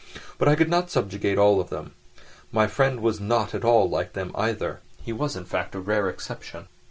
But I could not subjugate all of them; my friend was not at all like them either, he was, in fact, a rare exception.